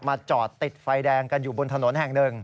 จอดติดไฟแดงกันอยู่บนถนนแห่งหนึ่ง